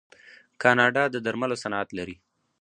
کاناډا د درملو صنعت لري.